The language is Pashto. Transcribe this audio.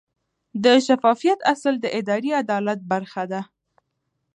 د شفافیت اصل د اداري عدالت برخه ده.